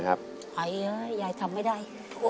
ไม่ได้